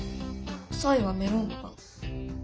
３位はメロンパン。